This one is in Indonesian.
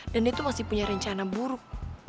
dan dia tuh masih punya rencana buruk